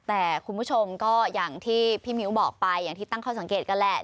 แต่คุณผู้ชมก็อย่างที่พี่มิ้วบอกไปอย่างที่ตั้งข้อสังเกตกันแหละ